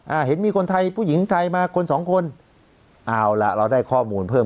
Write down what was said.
อ่าเห็นมีคนไทยผู้หญิงไทยมาคนสองคนเอาล่ะเราได้ข้อมูลเพิ่ม